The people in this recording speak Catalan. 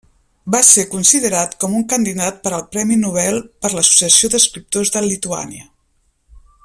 Va ser considerat com un candidat per al Premi Nobel per l'Associació d'Escriptors de Lituània.